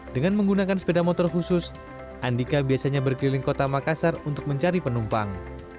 dengan menggunakan sepeda motor khusus andika biasanya berkeliling kota makassar untuk mencari penumpang